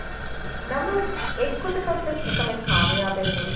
ނަމަވެސް އެއްގޮތަކަށްވެސް އެކަމެއް ކާމިޔާބެއް ނުވި